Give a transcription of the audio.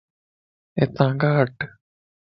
اتا کان ھٽ